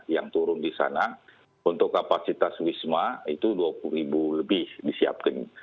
yang turun di sana untuk kapasitas wisma itu dua puluh ribu lebih disiapkan